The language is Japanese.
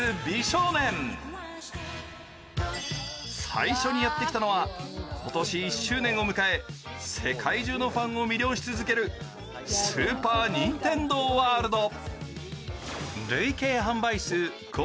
最初にやってきたのは、今年１周年を迎え世界中のファンを魅了し続けるスーパー・ニンテンドー・ワールド。